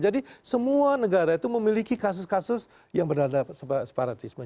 jadi semua negara itu memiliki kasus kasus yang bernada separatisme